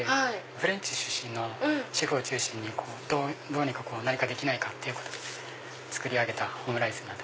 フレンチ出身のシェフを中心にどうにか何かできないかと作り上げたオムライスになってます。